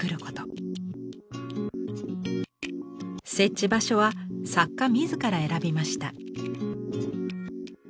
設置場所は作家自ら選びました。